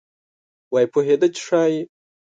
وایي پوهېده چې ښایي.